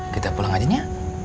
kita pulang aja nih ya